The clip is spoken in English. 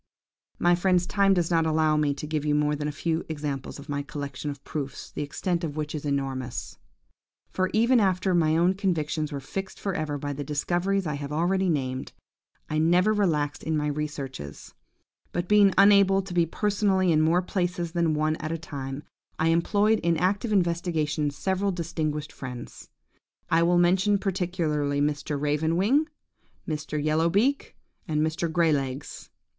"My friends, time does not allow me to give you now more than a few examples of my collection of proofs, the extent of which is enormous; for even after my own convictions were fixed for ever by the discoveries I have already named, I never relaxed in my researches; but being unable to be personally in more places than one at a time, I employed in active investigations several distinguished friends; I will mention particularly Mr. Raven wing, Mr. Yellow beak, and Mr. Grey legs.